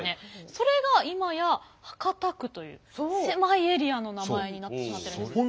それが今や博多区という狭いエリアの名前になってしまってるんですよね。